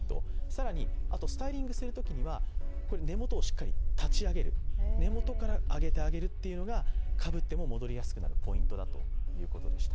更にスタイリングするときには根元をしっかり立ち上げる、根元から上げてあげるというのがかぶっても戻りやすくなるポイントだということでした。